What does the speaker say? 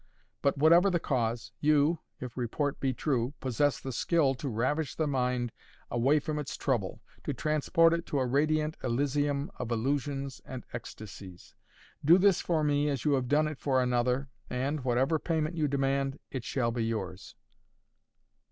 But, whatever the cause, you, if report be true, possess the skill to ravish the mind away from its trouble, to transport it to a radiant Elysium of illusions and ecstasies. Do this for me, as you have done it for another, and, whatever payment you demand, it shall be yours!"